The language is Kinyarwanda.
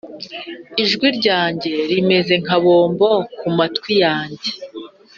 ijwi ryawe rimeze nka bombo kumatwi yanjye.